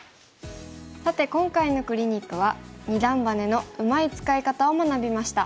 さて今回のクリニックは二段バネのうまい使い方を学びました。